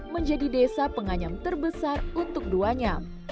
menjadi desa penganyam terbesar untuk duanya